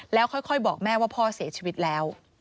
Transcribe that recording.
แล้วค่อยบอกแม่ว่าพ่อเสียชีวิตแล้ว